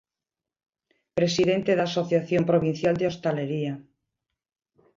Presidente da Asociación provincial de Hostalería.